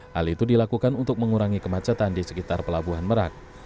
hal itu dilakukan untuk mengurangi kemacetan di sekitar pelabuhan merak